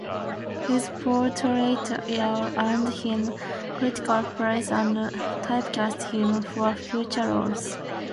His portrayal earned him critical praise and typecast him for future roles.